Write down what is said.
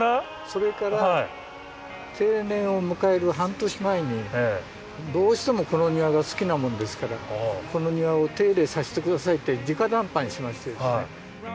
それから定年を迎える半年前にどうしてもこの庭が好きなもんですからこの庭を手入れさせて下さいってじか談判しましてですね。